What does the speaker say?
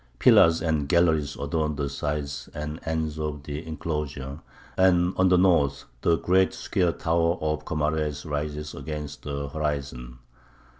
Pillars and galleries adorn the sides and ends of the enclosure, and on the north the great square tower of Comares rises against the horizon.